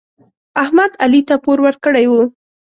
احمد علي ته پور ورکړی و.